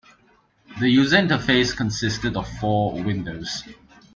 The user interface consisted of four windows.